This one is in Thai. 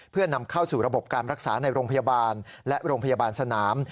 เพื่อนำเข้าสู่ระบบการรักษาในโรงพยาบาลและโรงพยาบาลสนาม